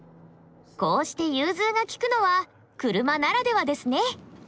こうして融通が利くのは車ならではですね。